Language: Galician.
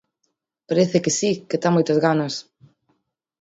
Parece que si, que ten moitas ganas.